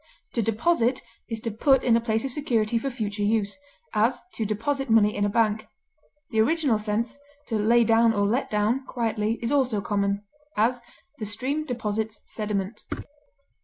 To deposit is to put in a place of security for future use; as, to deposit money in a bank; the original sense, to lay down or let down (quietly), is also common; as, the stream deposits sediment.